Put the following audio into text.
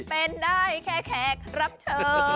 เป็นได้แค่แขกรับเชิญ